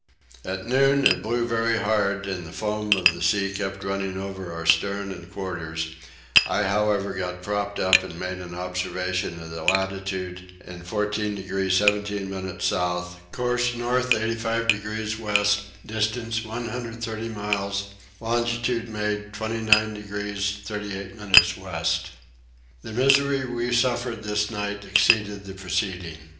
At noon it blew very hard and the foam of the sea kept running over our stern and quarters; I however got propped up and made an observation of the latitude in 14 degrees 17 minutes south; course north 85 degrees west distance 130 miles; longitude made 29 degrees 38 minutes west. The misery we suffered this night exceeded the preceding.